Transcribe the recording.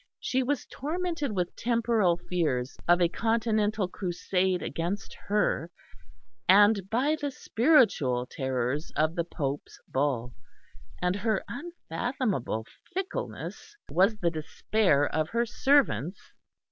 She was tormented with temporal fears of a continental crusade against her, and by the spiritual terrors of the Pope's Bull; and her unfathomable fickleness was the despair of her servants.